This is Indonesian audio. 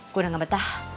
gue udah gak betah